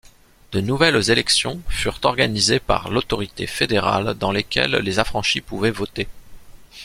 De nouvelles élections furent organisées par l'autorité fédérale, dans lesquelles les affranchis pouvaient voter.